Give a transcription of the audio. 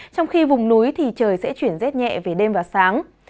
trong khi vùng núi thì trời sẽ chuyển rét nhẹ về đêm và sáng